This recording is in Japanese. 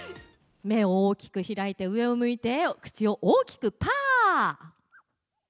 目を大きく開いて、上を向いて、口を大きくパー。